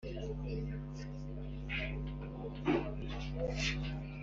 Gushyiraho no kuvanaho abagize Inama Nyobozi bikorwa n’Inama Rusange